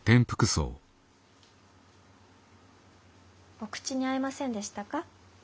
お口に合いませんでしたか？